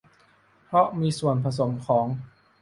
เพราะมีส่วนผสมของ